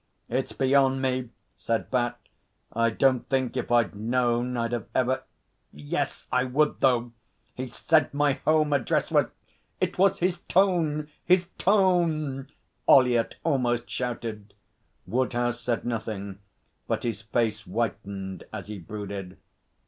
'It's beyond me!' said Bat. 'I don't think if I'd known I'd have ever ... Yes, I would, though. He said my home address was ' 'It was his tone his tone!' Ollyett almost shouted. Woodhouse said nothing, but his face whitened as he brooded.